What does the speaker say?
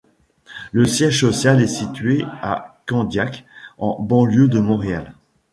Le siège social est situé à Candiac, en banlieue de Montréal.